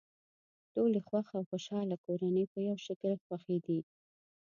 ټولې خوښ او خوشحاله کورنۍ په یوه شکل خوښې دي.